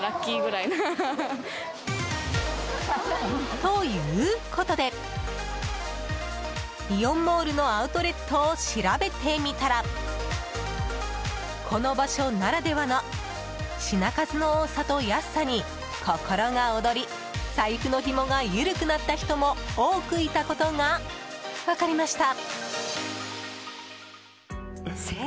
ということで、イオンモールのアウトレットを調べてみたらこの場所ならではの品数の多さと安さに心が躍り財布のひもが緩くなった人も多くいたことが分かりました。